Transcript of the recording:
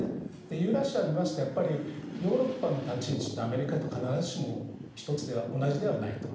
ユーラシアを見ますとヨーロッパの立ち位置ってアメリカと必ずしも一つではないと。